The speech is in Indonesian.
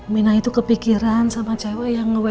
minah itu kepikiran sama cewek yang nge wa in